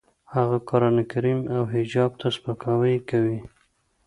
هغه قرانکریم او حجاب ته سپکاوی کوي